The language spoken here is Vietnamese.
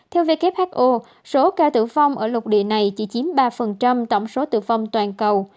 theo who số ca tử vong ở lục địa này chỉ chiếm ba tổng số tử vong toàn cầu